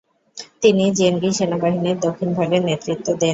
তিনি জেনগি সেনাবাহিনীর দক্ষিণভাগের নেতৃত্ব দেন।